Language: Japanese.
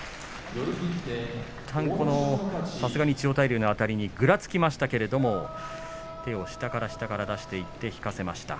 さすがに千代大龍のあたりにいったんぐらつきましたけれども手を下から下から出していって引かせました。